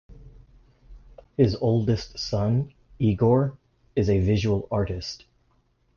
His oldest son, Igor, is a visual artist.